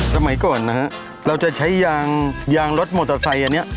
สมัยก่อนนะฮะเราจะใช้ยางยางรถมอเตอร์ไซค์อันนี้